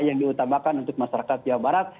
yang diutamakan untuk masyarakat jawa barat